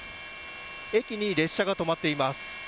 駅に列車が止まっています。